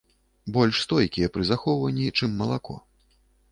Больш стойкія пры захоўванні, чым малако.